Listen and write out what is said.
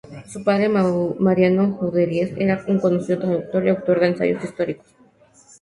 Su padre, Mariano Juderías, era un conocido traductor y autor de ensayos históricos.